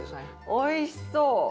おいしそう。